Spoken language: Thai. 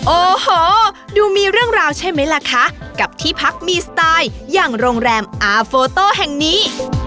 โอ้โหดูมีเรื่องราวใช่ไหมล่ะคะกับที่พักมีสไตล์อย่างโรงแรมอาโฟโต้แห่งนี้